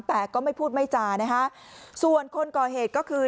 แต่ก็ไม่พูดไม่จานะคะส่วนคนก่อเหตุก็คือ